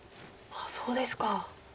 そうですか。